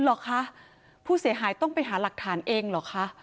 เหรอคะผู้เสียหายต้องไปหาหลักฐานเองเหรอคะ